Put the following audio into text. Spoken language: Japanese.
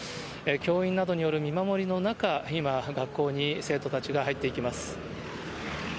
教員などによる見守りの中、今、学校に生徒たちが入っていきます。